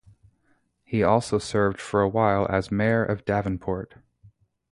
He also served for a while as mayor of Davenport.